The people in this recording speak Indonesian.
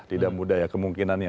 tidak mudah ya kemungkinannya